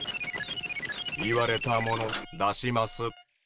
言われたもの出します。